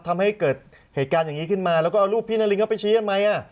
ทำให้เกิดเหตุการณ์อย่างนี้ขึ้นมาแล้วก็เอารูปพี่นารินเข้าไปชี้กันไหม